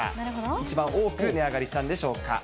一番多く値上がりしたんでしょうか。